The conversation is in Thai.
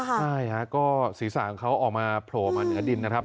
ใช่ฮะก็ศีรษะของเขาออกมาโผล่มาเหนือดินนะครับ